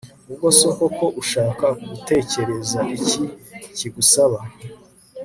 ubwo so koko ushaka gutekereza iki kigusaba